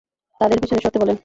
তাদের পিছনে সরতে বলেন!